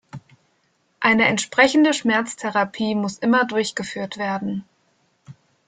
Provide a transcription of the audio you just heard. Eine entsprechende Schmerztherapie muss immer durchgeführt werden.